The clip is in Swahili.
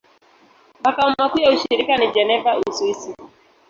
Makao makuu ya shirika ni Geneva, Uswisi.